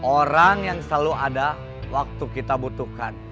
orang yang selalu ada waktu kita butuhkan